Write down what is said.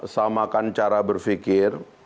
samakan cara berfikir